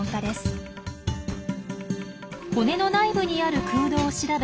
骨の内部にある空洞を調べ